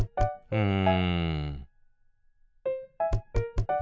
うん。